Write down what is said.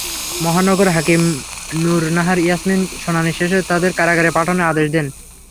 মহানগর হাকিম নুর নাহার ইয়াসমিন শুনানি শেষে তাঁদের কারাগারে পাঠানোর আদেশ দেন।